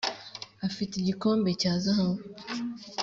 Afite ikirombe cya zahabu